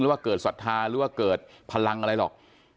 หรือว่าเกิดสัตว์ธาหรือว่าเกิดพลังอะไรหรอก